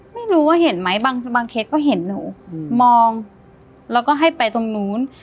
ไม่รู้ว่าเห็นไหมบางเคสก็เห็นหนูมองแล้วก็ให้ไปตรงนู้น